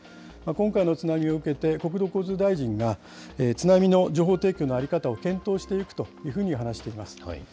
今回の津波を受けて、国土交通大臣が、津波の情報提供の在り方を検討していくというふうに話しています。